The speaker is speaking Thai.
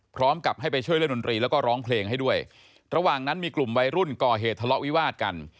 พร้อมกับให้ไปช่วยเล่นดนตรีแล้วก็ร้องเพลงให้ด้วยระหว่างนั้นมีกลุ่มวัยรุ่นก่อเหตุทะเลาะวิวาดกัน